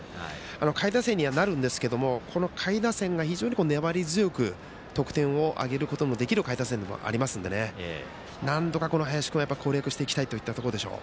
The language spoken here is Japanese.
下位打線にはなるんですけど下位打線が非常に粘り強く得点を挙げることのできる下位打線でもあるのでなんとか林君を攻略していきたいといったところでしょう。